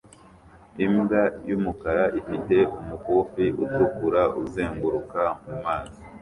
Imbwa yumukara ifite umukufi utukura uzenguruka mumazi